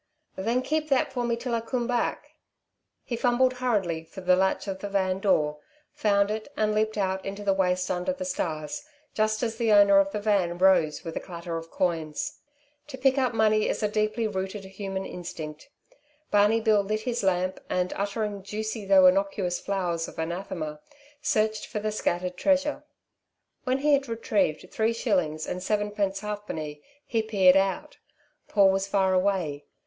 "Then keep that for me till I coom back." He fumbled hurriedly for the latch of the van door, found it, and leaped out into the waste under the stars, just as the owner of the van rose with a clatter of coins. To pick up money is a deeply rooted human instinct. Barney Bill lit his lamp, and, uttering juicy though innocuous flowers of anathema, searched for the scattered treasure. When he had retrieved three shillings and sevenpence halfpenny he peered out. Paul was far away.